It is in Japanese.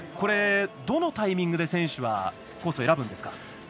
どのタイミングで選手はコースを選ぶんですか？